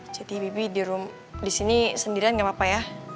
jadi bibi di rumah di sini sendirian gak apa apa ya